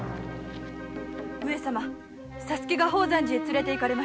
佐助が宝山寺へ連れて行かれました。